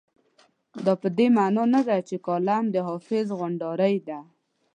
دا په دې مانا نه ده چې کالم د حافظ غونډارۍ ده.